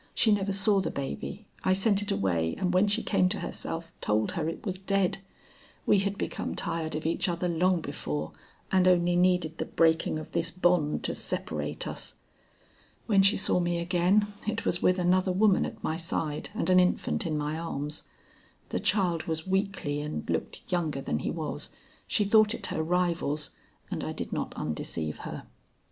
She never saw the baby; I sent it away, and when she came to herself, told her it was dead. We had become tired of each other long before, and only needed the breaking of this bond to separate us. When she saw me again, it was with another woman at my side and an infant in my arms. The child was weakly and looked younger than he was. She thought it her rival's and I did not undeceive her."